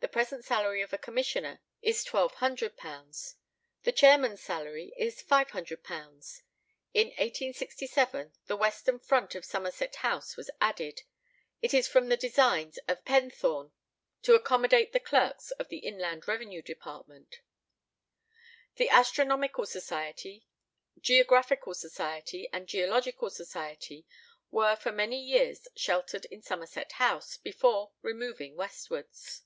The present salary of a commissioner is £1200; the chairman's salary is £500. In 1867 the western front of Somerset House was added; it is from the designs of Pennethorne, to accommodate the clerks of the Inland Revenue Department. The Astronomical Society, Geographical Society, and Geological Society, were for many years sheltered in Somerset House, before removing westwards.